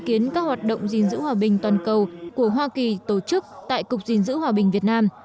kiến các hoạt động gìn giữ hòa bình toàn cầu của hoa kỳ tổ chức tại cục gìn giữ hòa bình việt nam